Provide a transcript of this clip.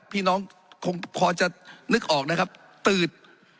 พี่น้องคงพอจะนึกออกนะครับตืด